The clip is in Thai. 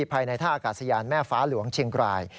ภายในท่าอากาศยานแม่ฟ้าหลวงเชียงราย